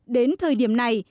đến thời điểm này